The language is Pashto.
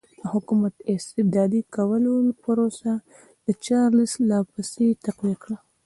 د حکومت استبدادي کولو پروسه چارلېس لا پسې تقویه کړه.